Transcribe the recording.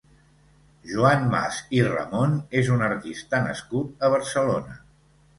Joan Mas i Ramon és un artista nascut a Barcelona.